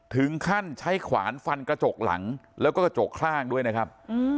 ถึงขั้นใช้ขวานฟันกระจกหลังแล้วก็กระจกข้างด้วยนะครับ